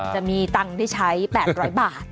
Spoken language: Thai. จะมีตังค์ได้ใช้๘๐๐บาท